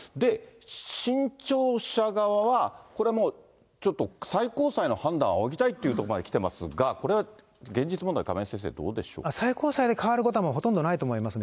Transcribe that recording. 新潮社側は、これはもう、ちょっと最高裁の判断を仰ぎたいというところまできてますが、これは現実問題、亀井先生、どうでしょう最高裁で変わることはもうほとんどないと思いますね。